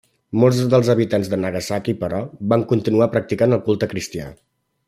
Molts dels habitants de Nagasaki, però, van continuar practicant el culte cristià.